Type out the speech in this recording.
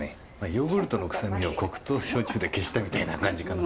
ヨーグルトの臭みを黒糖焼酎で消したみたいな感じかな。